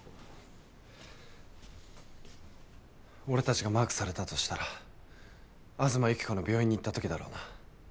俺たちがマークされたとしたら東幸子の病院に行ったときだろうな。